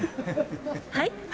はい？